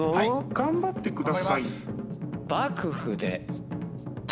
頑張ってください。